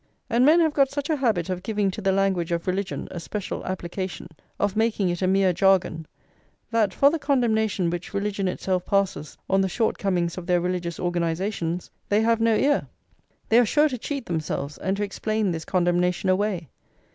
And men have got such a habit of giving to the language of religion a special application, of making it a mere jargon, that for the condemnation which religion itself passes on the shortcomings of their religious organisations they have no ear; they are sure to cheat themselves and to explain this condemnation away.